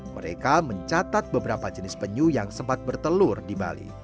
mereka mencatat beberapa jenis penyu yang sempat bertelur di bali